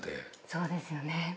「そうですよね」